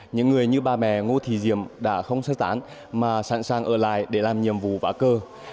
những người như ba mẹ ngô thị diệm đã không sơ tán mà sẵn sàng ở lại để làm nhiệm vụ vã cờ